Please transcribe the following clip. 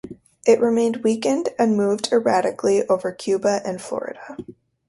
It remained weakened and moved erratically over Cuba and Florida.